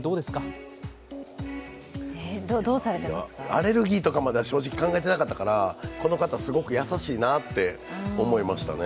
アレルギーとかまでは正直考えてなかったから、この方、すごく優しいなって思いましたね。